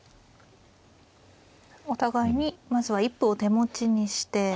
お互いにまずは一歩を手持ちにして。